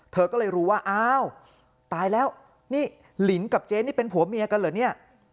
เธอก็เลยรู้ว่าอ้าวตายแล้วนี่ลินกับเจ๊นี่เป็นผัวเมียกันเหรอเนี่ย